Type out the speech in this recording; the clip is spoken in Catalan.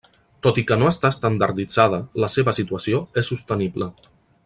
Tot i que no està estandarditzada, la seva situació és sostenible.